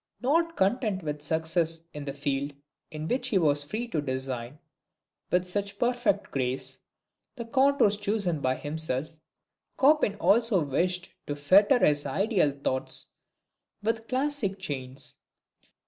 Not content with success in the field in which he was free to design, with such perfect grace, the contours chosen by himself, Chopin also wished to fetter his ideal thoughts with classic chains.